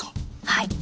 はい。